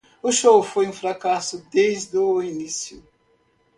O show foi um fracasso desde o início.